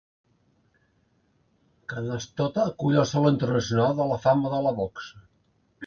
Canastota acull el Saló internacional de la fama de la boxa.